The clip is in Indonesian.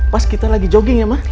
pas kita lagi jogging ya mah